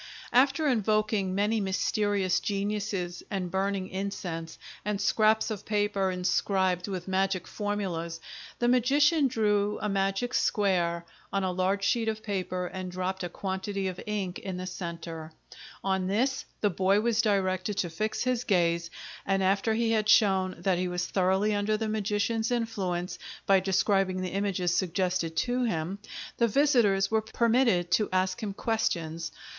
After invoking many mysterious geniuses and burning incense and scraps of paper inscribed with magic formulas, the magician drew a magic square on a large sheet of paper and dropped a quantity of ink in the centre. On this the boy was directed to fix his gaze, and after he had shown that he was thoroughly under the magician's influence, by describing the images suggested to him, the visitors were permitted to ask him questions.